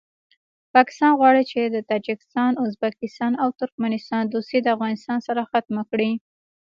پاکستان غواړي چې د تاجکستان ازبکستان او ترکمستان دوستي د افغانستان سره ختمه کړي